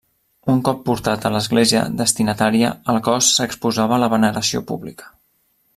Un cop portat a l'església destinatària, el cos s'exposava a la veneració pública.